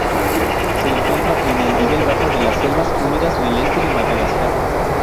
Se encuentra en el nivel bajo de las selvas húmedas del este de Madagascar.